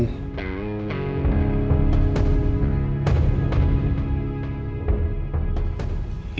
ini foto laki laki sama perempuan